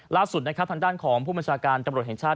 ล่าสุดนะครับทางด้านของผู้บัญชาการตำรวจแห่งชาติ